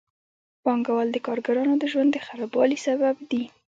پانګوال د کارګرانو د ژوند د خرابوالي سبب دي